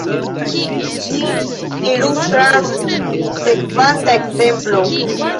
Ĝin ilustras sekvanta ekzemplo.